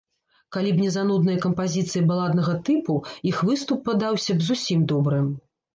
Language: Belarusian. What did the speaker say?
Калі б не занудныя кампазіцыі баладнага тыпу, іх выступ падаўся б зусім добрым.